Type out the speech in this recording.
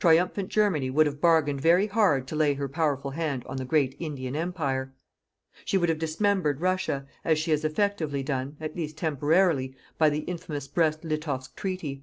Triumphant Germany would have bargained very hard to lay her powerful hand on the great Indian Empire. She would have dismembered Russia, as she has effectively done at least temporarily by the infamous Brest Litovsk treaty.